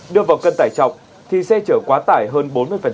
đưa vào cân tải trọng thì xe chở quá tải hơn bốn mươi